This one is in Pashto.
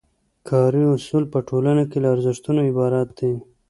کاري اصول په ټولنه کې له ارزښتونو عبارت دي.